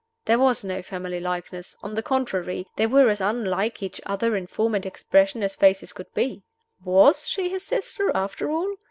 There was no family likeness; on the contrary, they were as unlike each other in form and expression as faces could be. Was she his sister, after all?